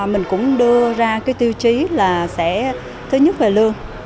mình cũng đưa ra cái tiêu chí là sẽ thứ nhất về lương